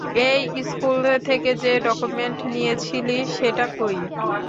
এই, স্কুল থেকে যে ডকুমেন্ট নিয়েছিলি, সেটা কই?